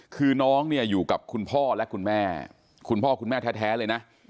คือน้องเนี่ยอยู่กับคุณพ่อและคุณแม่คุณพ่อคุณแม่แท้เลยนะ